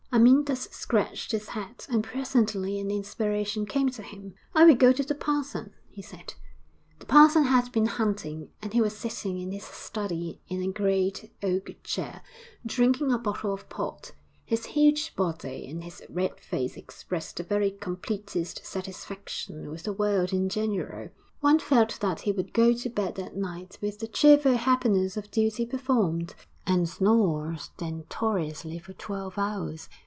IV Amyntas scratched his head, and presently an inspiration came to him. 'I will go to the parson,' he said. The parson had been hunting, and he was sitting in his study in a great oak chair, drinking a bottle of port; his huge body and his red face expressed the very completest satisfaction with the world in general; one felt that he would go to bed that night with the cheerful happiness of duty performed, and snore stentoriously for twelve hours.